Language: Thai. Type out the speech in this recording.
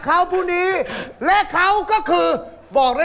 กับผมยังไม่ได้ประกาศคุณเลย